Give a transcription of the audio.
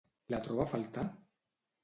La troba a faltar?